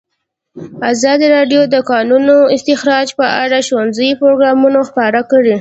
ازادي راډیو د د کانونو استخراج په اړه ښوونیز پروګرامونه خپاره کړي.